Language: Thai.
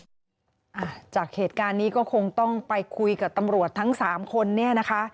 อ่ะจากเหตุการณ์นี้ก็คงต้องไปคุยกับตำรวจทั้งสามคนเนี่ยนะคะ